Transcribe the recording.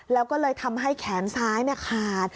แล้วก็เลยทำให้แขนซ้ายขาด